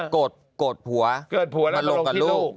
โกรธผัวมาลงกับลูก